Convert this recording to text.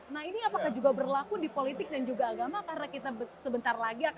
nah ini apakah juga berlaku di politik dan juga agama